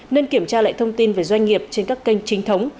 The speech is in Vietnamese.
nên kiểm tra lại thông tin về doanh nghiệp trên các kênh chính thống